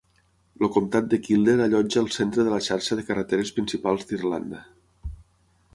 El comtat de Kildare allotja el centre de la xarxa de carreteres principals d'Irlanda.